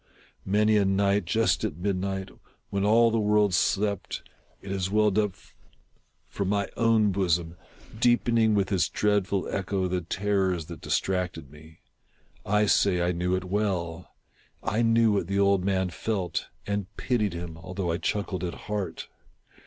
Many a night, just at midnight, THE TELL TALE HEART. 57 1 when all the world slept, it has welled up from my own bosom, deepening, with its dreadful echo, the terrors that distracted me. I say I knew it well. I knew what the old man felt, and pitied him, although I chuckled at heart.